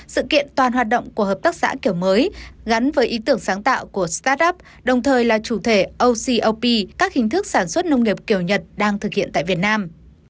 sự kiện toàn hoạt động của hợp tác xã kiểu mới gắn với ý tưởng sáng tạo của start up đồng thời là chủ thể ocrp các hình thức sản xuất nông nghiệp kiểu nhật đang thực hiện tại việt nam